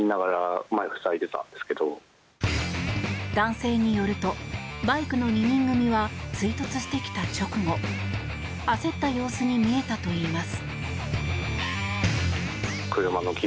男性によるとバイクの２人組は追突してきた直後焦った様子に見えたといいます。